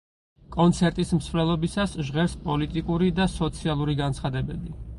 კონცერტის მსვლელობისას ჟღერს პოლიტიკური და სოციალური განცხადებები.